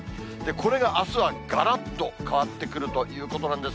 これがあすは、がらっと変わってくるということなんです。